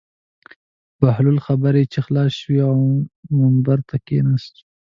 د بهلول خبرې چې خلاصې شوې له ممبر نه کښته شو.